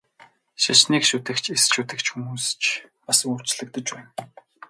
Шашныг шүтэгч, эс шүтэгч хүмүүс ч бас өөрчлөгдөж байна.